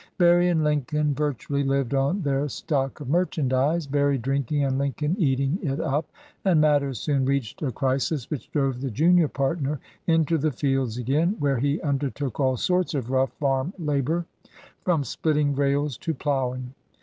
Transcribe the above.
Berry & Lincoln virtually lived on their stock of merchandise, Berry drinking and Lincoln eating it up, and matters soon reached a crisis which drove the junior partner into the fields again, where he undertook all sorts of rough farm labor, from splitting rails to plowing.